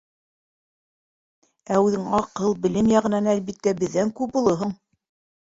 Ә үҙең аҡыл, белем яғынан, әлбиттә, беҙҙән күп олоһоң.